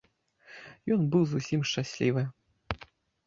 Ён быў зусім шчаслівы.